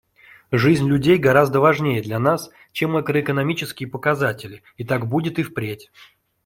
Жизнь людей гораздо важнее для нас, чем макроэкономические показатели, и так будет и впредь.